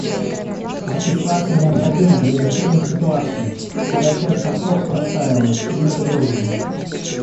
Оркестрация необходима для решения ситуации, когда часть хостов простаивают и не загружены